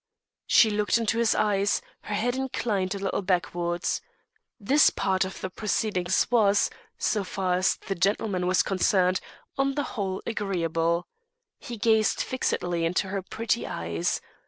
She looked into his eyes, her head inclined a little backwards. This part of the proceedings was, so far as the gentleman was concerned, on the whole agreeable. He gazed fixedly into her pretty eyes.